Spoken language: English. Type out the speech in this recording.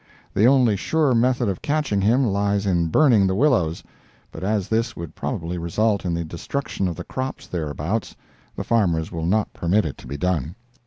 The only sure method of catching him lies in burning the willows; but as this would probably result in the destruction of the crops thereabouts, the farmers will not permit it to be done.